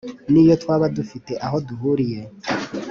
n’iyo twaba dufite aho duhuriye